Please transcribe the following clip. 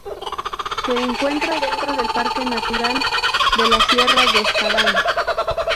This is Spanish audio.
Se encuentra dentro del Parque Natural de la Sierra de Espadán.